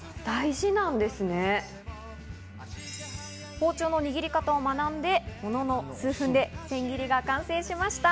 包丁の握り方を学んで、ものの数分で千切りが完成しました。